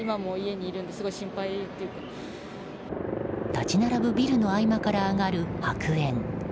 立ち並ぶビルの合間から上がる白煙。